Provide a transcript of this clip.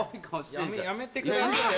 やめやめてください。